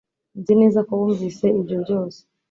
nzi neza ko wumvise ibyo byose